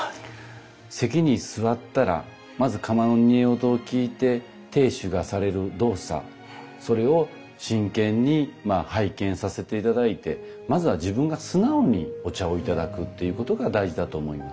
席に座ったらまず釜の煮え音を聞いて亭主がされる動作それを真剣に拝見させて頂いてまずは自分が素直にお茶をいただくということが大事だと思います。